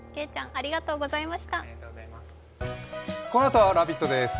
ありがとうございます。